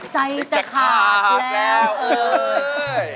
ใจจะขาดแล้วเอ้ย